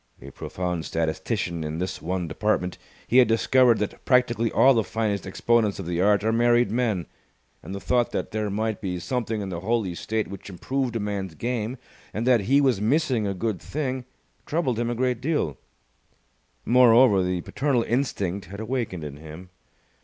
A profound statistician in this one department, he had discovered that practically all the finest exponents of the art are married men; and the thought that there might be something in the holy state which improved a man's game, and that he was missing a good thing, troubled him a great deal. Moreover, the paternal instinct had awakened in him.